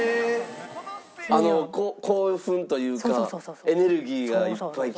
あの興奮というかエネルギーがいっぱいきて。